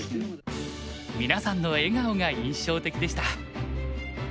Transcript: みなさんの笑顔が印象的でした。